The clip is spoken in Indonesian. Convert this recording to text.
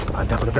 bangku ngaruh lo